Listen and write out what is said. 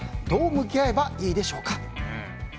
どう向き合えばいいでしょうか。